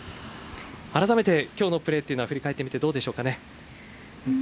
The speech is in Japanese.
あらためて今日のプレーというのは振り返ってみてどうでしょうか？